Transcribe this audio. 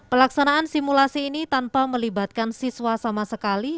pelaksanaan simulasi ini tanpa melibatkan siswa sama sekali